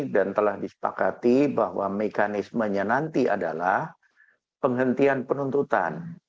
dan telah disepakati bahwa mekanismenya nanti adalah penghentian penuntutan